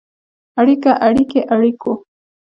اړیکه ، اړیکې، اړیکو.